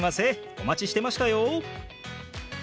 お待ちしてましたよ。